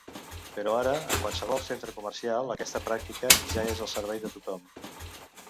Però ara, en qualsevol centre comercial aquesta pràctica ja és al servei de tothom.